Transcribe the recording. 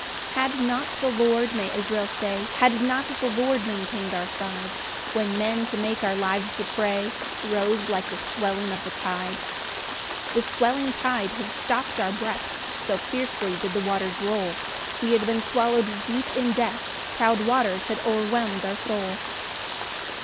1 Had not the Lord, may Israel say, Had not the Lord maintain'd our side, When men to make our lives a prey, Rose like the swelling of the tide; 2 The swelling tide had stopt our breath, So fiercely did the waters roll, We had been swallow'd deep in death; Proud waters had o'erwhelm'd our soul.